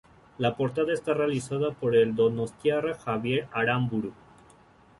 La portada está realizada por el donostiarra Javier Aramburu.